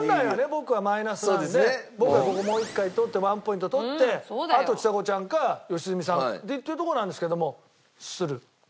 僕はマイナスなんで僕がここもう一回取って１ポイント取ってあとちさ子ちゃんか良純さんっていきたいとこなんですけども。